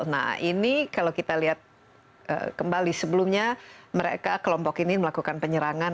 nah ini kalau kita lihat kembali sebelumnya mereka kelompok ini melakukan penyerangan